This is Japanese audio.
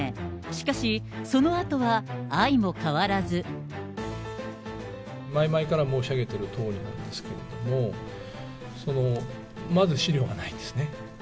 しかし、前々から申し上げてるとおりなんですけれども、まず資料がないんですね。